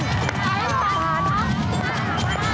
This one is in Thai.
อยู่ที่เท่าไหร่คะ